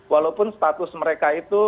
walaupun status mereka itu